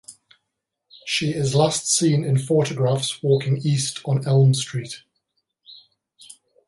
She is last seen in photographs walking east on Elm Street.